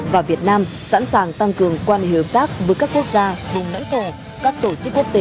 và việt nam sẵn sàng tăng cường quan hệ hợp tác với các quốc gia vùng lãnh thổ các tổ chức quốc tế